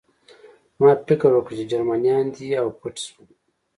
ما فکر وکړ چې جرمنان دي او پټ شوم